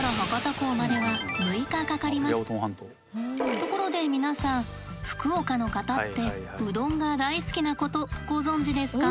ところで皆さん福岡の方ってうどんが大好きなことご存じですか？